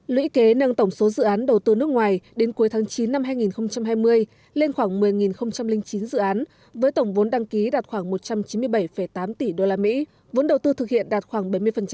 lũy kế nâng tổng số dự án đầu tư nước ngoài đến cuối tháng chín năm hai nghìn hai mươi lên khoảng một mươi chín dự án với tổng vốn đăng ký đạt khoảng một trăm chín mươi bảy tám tỷ usd vốn đầu tư thực hiện đạt khoảng bảy mươi